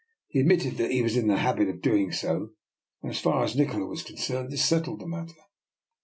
He admitted that he was in the habit of doing so; and as far as Nikola was con cerned, this settled the matter.